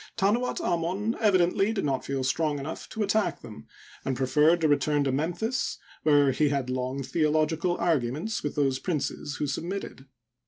Tanuat Amon evidently did not feel strong enough to at tack them, and preferred to return to Memphis, where he had long theological arguments with those princes who subn^itted.